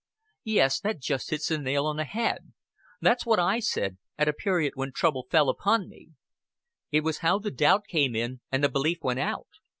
'" "Yes, that just hits the nail on the head. It was what I said at a period when trouble fell upon me. It was how the doubt came in and the belief went out.